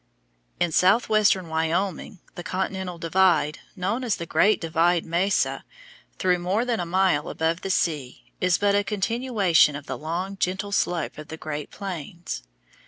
In southwestern Wyoming the continental divide, known as the Great Divide mesa, though more than a mile above the sea, is but a continuation of the long, gentle slope of the Great Plains.